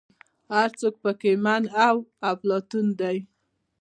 هر څوک په کې من او افلاطون دی.